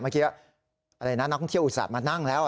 เมื่อกี้นักท่องเที่ยวอุตสาหรับมานั่งแล้ว